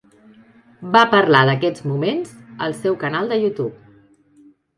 Va parlar d'aquests moments al seu canal de YouTube.